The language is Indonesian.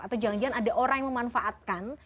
atau jangan jangan ada orang yang memanfaatkan